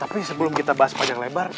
tapi sebelum kita bahas panjang lebar